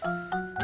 bebe mau kemana